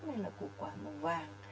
cái màu xinh thẳm hay là củ quả màu vàng